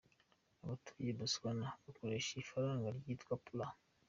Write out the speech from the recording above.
Abatuye Botswana bakoresha ifaranga ryitwa “pula”.